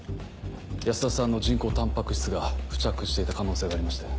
安田さんの人工タンパク質が付着していた可能性がありまして。